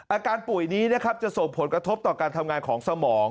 อาการป่วยนี้นะครับจะส่งผลกระทบต่อการทำงานของสมอง